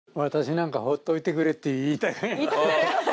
私なんかほっといてくれって言いたい。